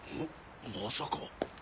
まさか。